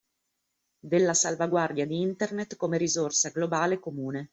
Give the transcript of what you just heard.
Della salvaguardia di Internet come risorsa globale comune.